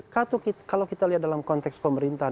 kalau kita lihat dalam konteks pemerintah